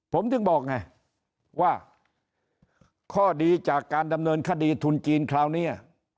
ผมถึงบอกไงว่าข้อดีจากการดำเนินคดีทุนจีนคราวนี้